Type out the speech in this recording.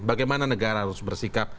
bagaimana negara harus bersikap